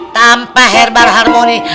tanpa herbar harmoni